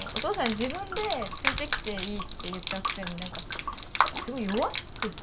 自分で「連れて来ていい」って言ったくせに何かすごい弱ってて。